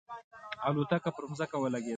الوتکه پر ځمکه ولګېده.